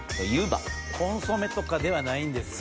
コンソメとかではないんですね。